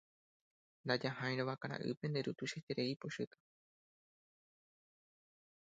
Ndajaraháirõ vakara'ýpe nde ru tuichaiterei ipochýta.